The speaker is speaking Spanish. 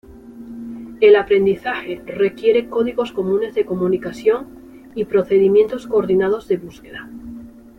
El aprendizaje requiere códigos comunes de comunicación y procedimientos coordinados de búsqueda.